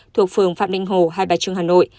thuộc phường phạm bình hổ hai bà trưng hà nội